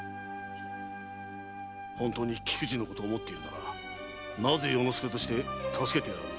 本当に菊路のことを思っているならなぜ与の介として助けてやらぬ？